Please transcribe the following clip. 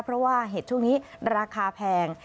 เพราะว่าเห็ดช่วงนี้ราคาแพง